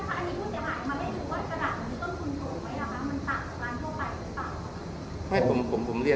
มันไม่รู้ว่ากระดาษที่ต้นทุนถูกไว้ละค่ะ